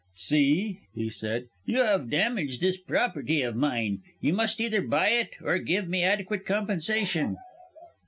"See!" he said, "you have damaged this property of mine. You must either buy it or give me adequate compensation."